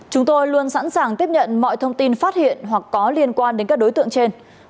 chúng tôi luôn sẵn sàng tiếp nhận mọi thông tin phát hiện hoặc có liên quan đến các đối tượng trên